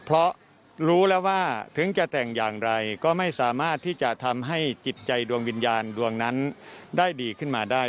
เพราะรู้แล้วว่าถึงจะแต่งอย่างไรก็ไม่สามารถที่จะทำให้จิตใจดวงวิญญาณดวงนั้นได้ดีขึ้นมาได้